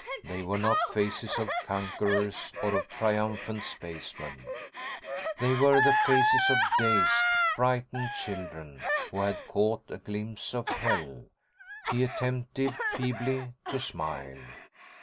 They were not faces of conquerors or of triumphant spacemen. They were the faces of dazed, frightened children who had caught a glimpse of Hell. He attempted, feebly, to smile.